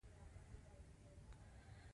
دوی د لرګي او هډوکي په دوره کې غشی جوړ کړ.